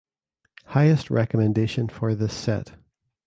Highest recommendation for this set.